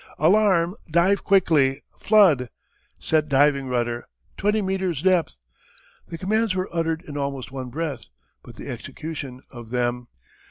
"Alarm! Dive quickly! Flood!" "Set diving rudder!" "Twenty meters' depth!" The commands were uttered in almost one breath. But the execution of them!